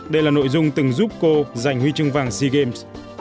đây là nội dung từng giúp cô giành huy chương vàng sea games